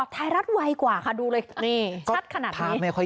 ไทรัสไวกว่าค่ะดูเลยนี่